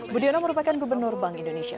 budiono merupakan gubernur bank indonesia